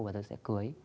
và tôi sẽ cưới